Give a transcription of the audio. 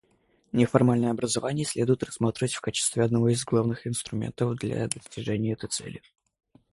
Неформальное образование следует рассматривать в качестве одного из главных инструментов для достижения этой цели.